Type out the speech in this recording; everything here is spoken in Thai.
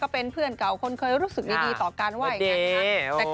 เป็นเพื่อนเก่าคนเคยรู้สึกดีต่อกันว่าอย่างนั้นค่ะ